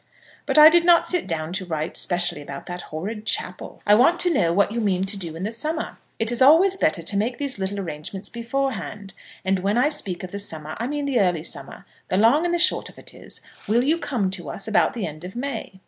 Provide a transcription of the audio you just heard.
But I did not sit down to write specially about that horrid chapel. I want to know what you mean to do in the summer. It is always better to make these little arrangements beforehand; and when I speak of the summer, I mean the early summer. The long and the short of it is, will you come to us about the end of May?